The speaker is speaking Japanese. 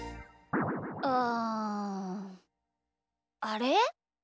うん。あれ？